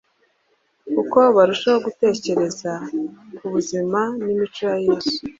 Uko barushaho gutekereza ku buzima n’imico ya Yesu,